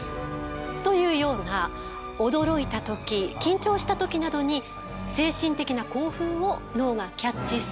というような驚いた時緊張した時などに精神的な興奮を脳がキャッチすると。